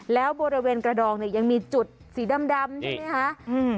แล้วบริเวณกระดองเนี่ยยังมีจุดสีดำใช่ไหมคะอืม